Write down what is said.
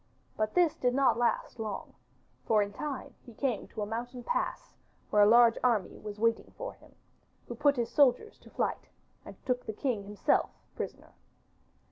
But this did not last long, for in time he came to a mountain pass, where a large army was waiting for him, who put his soldiers to flight, and took the king himself prisoner.